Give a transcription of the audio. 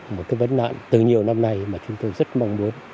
một cái vấn nạn từ nhiều năm nay mà chúng tôi rất mong muốn